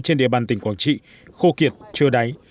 trên địa bàn tỉnh quảng trị khô kiệt chưa đáy